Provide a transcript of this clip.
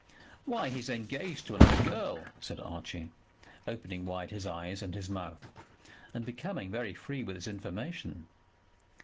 "Why; he's engaged to another girl," said Archie, opening wide his eyes and his mouth, and becoming very free with his information.